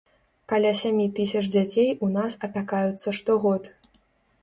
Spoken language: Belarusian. Каля сямі тысяч дзяцей у нас апякаюцца штогод.